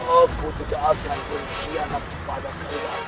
aku tidak akan berhianat kepada kalian